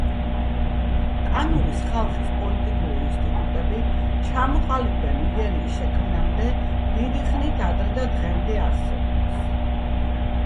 კანურის ხალხის პოლიტიკური ინსტიტუტები ჩამოყალიბდა ნიგერიის შექმნამდე დიდი ხნით ადრე და დღემდე არსებობს.